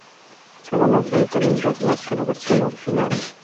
Son unos veinte minutos más que la versión original.